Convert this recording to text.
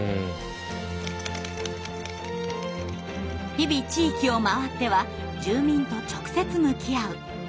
日々地域を回っては住民と直接向き合う。